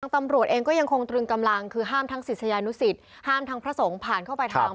ตำรวจเองก็ยังคงตรึงกำลังคือห้ามทั้งศิษยานุสิตห้ามทั้งพระสงฆ์ผ่านเข้าไปทาง